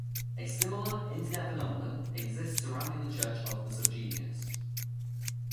A similar Internet phenomenon exists surrounding the Church of the SubGenius.